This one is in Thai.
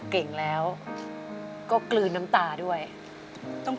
เปลี่ยนเพลงเพลงเก่งของคุณและข้ามผิดได้๑คำ